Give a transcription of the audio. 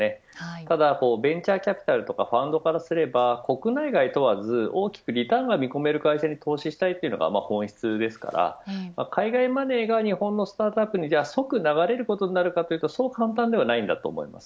ただベンチャーキャピタルとかファンドからすれば国内外問わず大きくリターンが見込める会社に投資したいというのが本質ですから海外マネーが日本のスタートアップに即流れることになるかというとそう簡単ではないと思います。